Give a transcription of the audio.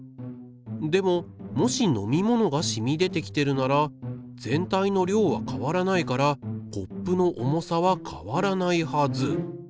でももし飲み物がしみ出てきてるなら全体の量は変わらないからコップの重さは変わらないはず。